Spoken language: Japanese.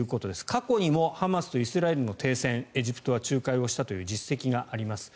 過去にもハマスとイスラエルの停戦エジプトは仲介したという実績があります。